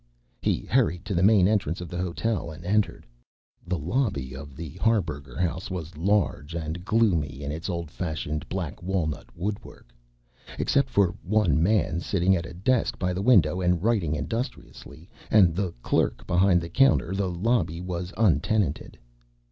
He hurried to the main entrance of the hotel, and entered. The lobby of the Harburger House was large, and gloomy in its old fashioned black walnut woodwork. Except for one man sitting at a desk by the window and writing industriously, and the clerk behind the counter, the lobby was untenanted.